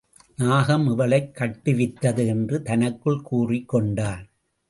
நாகம் இவளைக் காட்டுவித்தது என்று தனக்குள் கூறிக் கொண்டான்.